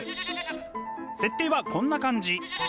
設定はこんな感じ。